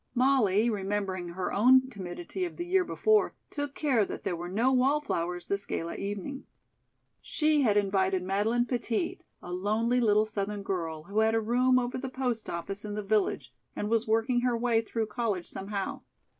Molly, remembering her own timidity of the year before, took care that there were no wall flowers this gala evening. She had invited Madeleine Petit, a lonely little Southern girl, who had a room over the post office in the village and was working her way through college somehow.